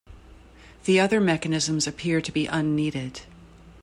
The other mechanisms appear to be unneeded.